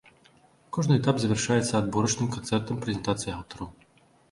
Кожны этап завяршаецца адборачным канцэртам-прэзентацыяй аўтараў.